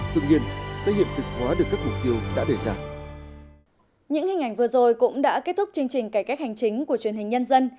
tự nhiên sẽ hiện thực hóa được các mục tiêu đã đề ra